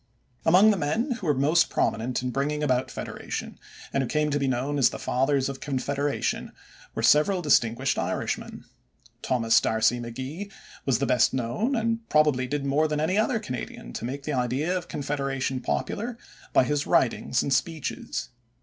Among the men who were most prominent in bringing about federation and who came to be known as the Fathers of Confederation were several distinguished Irishmen. Thomas D'Arcy McGee was the best known and probably did more than any other Canadian to make the idea of confederation popular by his writings and speeches.